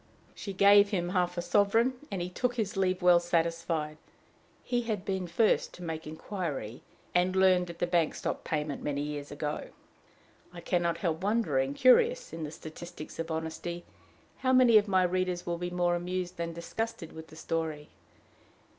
She gave him half a sovereign, and he took his leave well satisfied. He had been first to make inquiry, and had learned that the bank stopped payment many years ago. I can not help wondering, curious in the statistics of honesty, how many of my readers will be more amused than disgusted with the story.